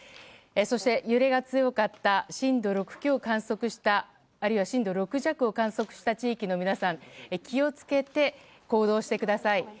そして、揺れが強かった震度６強あるいは震度６弱を観測した地域の皆さん気を付けて行動してください。